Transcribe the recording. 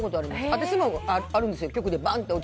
私もあるんですよ。